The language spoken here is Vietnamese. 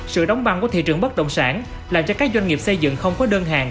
sự đóng băng của thị trường bất động sản làm cho các doanh nghiệp xây dựng không có đơn hàng